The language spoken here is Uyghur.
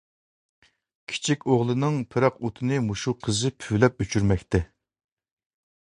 كىچىك ئوغلىنىڭ پىراق ئوتىنى مۇشۇ قىزى پۈۋلەپ ئۆچۈرمەكتە.